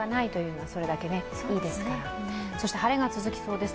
そして晴れが続きそうですね。